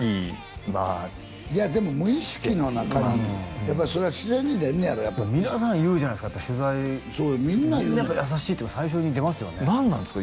まあいやでも無意識の中にやっぱりそれは自然に出んのやろ皆さん言うじゃないですかやっぱり取材そうみんな言うねん優しいって最初に出ますよね何なんですか？